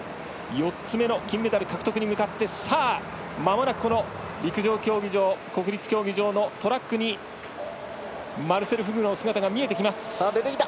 ４つ目の金メダル獲得に向かって国立競技場のトラックにマルセル・フグの姿が見えてきます。